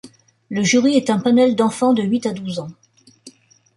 Le jury est un panel d'enfants de huit à douze ans.